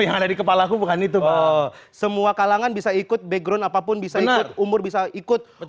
yang ada di kepala aku bukan itu semua kalangan bisa ikut background apapun bisa ikut umur bisa ikut